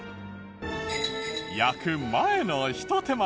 焼く前のひと手間。